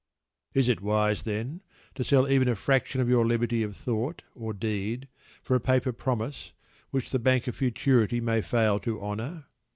Is it wise, then, to sell even a fraction of your liberty of thought or deed for a paper promise which the Bank of Futurity may fail to honour?